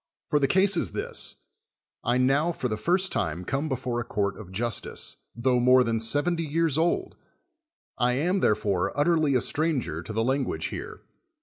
For the case is this: I now for the first time come before a court of justice, tho more than seventy years old ; I am, therefore, utterly a stranger to the language here.